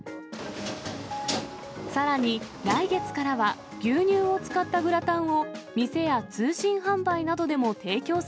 さらに、来月からは牛乳を使ったグラタンを、店や通信販売などでも提供す